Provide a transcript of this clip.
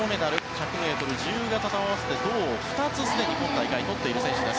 １００ｍ自由形と合わせて銅を２つすでに今大会とっている選手。